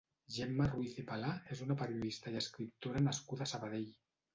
Gemma Ruiz i Palà és una periodista i escriptora nascuda a Sabadell.